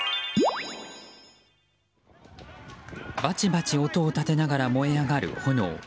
バチバチ音を立てながら燃え上がる炎。